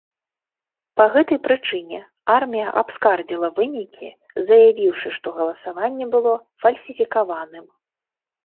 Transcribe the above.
Па гэтай прычыне, армія абскардзіла вынікі, заявіўшы, што галасаванне было фальсіфікаваным.